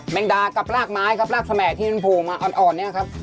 แมงดากับรากไม้รากสม่ายที่มีภูมิอ่อนนี่ครับ